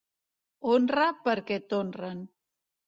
Honra perquè t'honren.